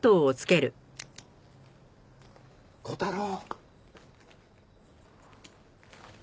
小太郎。